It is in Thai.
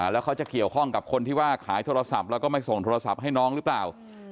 แล้วเขาจะเกี่ยวข้องกับคนที่ว่าขายโทรศัพท์แล้วก็ไม่ส่งโทรศัพท์ให้น้องหรือเปล่า